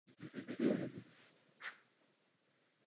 Po neštěstí se věnoval studiu stavby letadel.